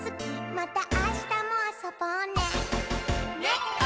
「またあしたもあそぼうね」